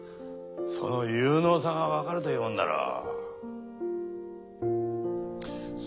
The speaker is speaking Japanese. その有能さがわかるというもんだろう。